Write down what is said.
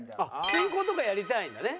進行とかやりたいんだね。